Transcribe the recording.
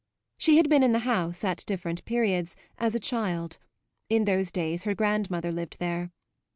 She had been in the house, at different periods, as a child; in those days her grandmother lived there.